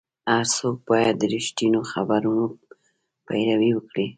هر څوک باید د رښتینو خبرونو پیروي وکړي.